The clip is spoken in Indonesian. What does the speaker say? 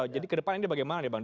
jadi kedepan ini bagaimana ya bang